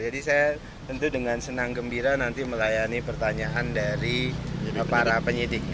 jadi saya tentu dengan senang gembira nanti melayani pertanyaan dari para penyidik